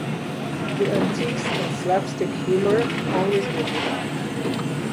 The antics and slapstick humor always made me laugh.